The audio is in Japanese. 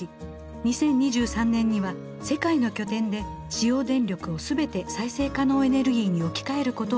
２０２３年には世界の拠点で使用電力を全て再生可能エネルギーに置き換えることを目標にしています。